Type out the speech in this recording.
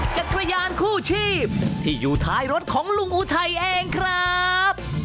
จักรยานคู่ชีพที่อยู่ท้ายรถของลุงอุทัยเองครับ